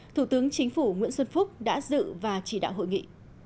thủ tướng chính phủ nguyễn xuân phúc đã dự và chỉ đạo hội nghị